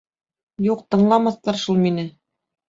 Юҡ, тыңламаҫтар шул мине...